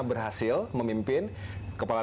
berhasil memimpin kepala